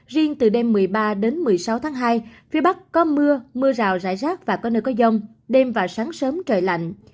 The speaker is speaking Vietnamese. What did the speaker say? riêng từ đêm một mươi ba đến một mươi sáu tháng hai phía bắc có mưa mưa rào rải rác và có nơi có rông đêm và sáng sớm trời lạnh